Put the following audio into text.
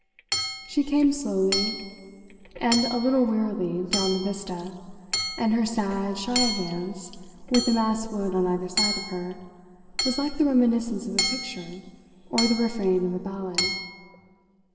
She came slowly and a little wearily down the vista, and her sad, shy advance, with the massed wood on either side of her, was like the reminiscence of a picture or the refrain of a ballad.